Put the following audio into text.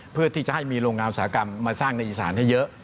เพื่อที่จะให้มีโรงงานอุตสาหกรรมมาสร้างในอีสานให้เยอะ